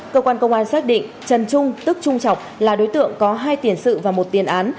cơ quan công an xác định trần trung tức trung trọng là đối tượng có hai tiền sự và một tiền án